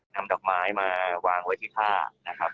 นำดอกไม้มาวางไว้ที่ผ้านะครับ